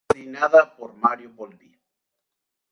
Coordinada por Mario Volpi.